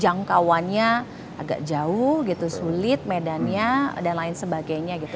jangkauannya agak jauh gitu sulit medannya dan lain sebagainya gitu